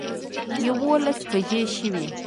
یوولس بجې شوې.